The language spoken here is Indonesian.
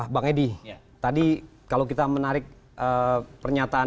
bang edi tadi kalau kita menarik pernyataan